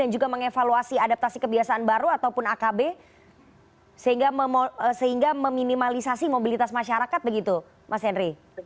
dan juga mengevaluasi adaptasi kebiasaan baru ataupun akb sehingga meminimalisasi mobilitas masyarakat begitu mas henry